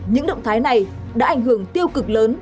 những động thái này đã ảnh hưởng tiêu cực lớn